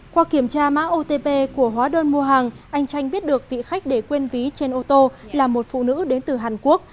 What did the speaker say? qua kiểm tra mã otp của hóa đơn mua hàng anh chanh biết được vị khách để quên ví trên ô tô là một phụ nữ đến từ hàn quốc